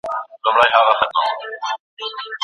د سرطان څېړنه د روغتیا لپاره لازمي ده.